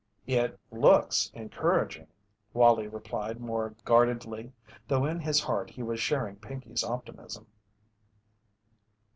"It looks encouraging," Wallie replied more guardedly, though in his heart he was sharing Pinkey's optimism.